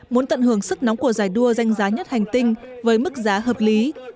muốn tận hưởng sức nóng của giải đua danh giá nhất hành tinh với mức giá hợp lý